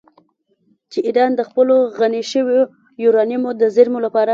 چې ایران د خپلو غني شویو یورانیمو د زیرمو لپاره